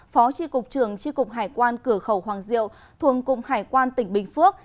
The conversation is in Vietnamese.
phó tri cục trường tri cục hải quan cửa khẩu hoàng diệu thuồng cục hải quan tỉnh bình phước